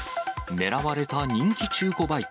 狙われた人気中古バイク。